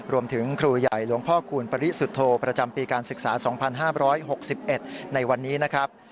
ครูใหญ่หลวงพ่อคูณปริสุทธโธประจำปีการศึกษา๒๕๖๑ในวันนี้นะครับ